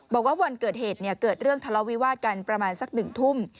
บอกว่าวันเกิดเหตุเกิดเรื่องทะเลาวิวาสกันประมาณสัก๑ทุ่ม